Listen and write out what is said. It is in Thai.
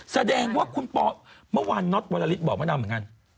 แสดงว่าคุณปอเมื่อวานน็อตวรลิศบอกมะดำเหมือนกัน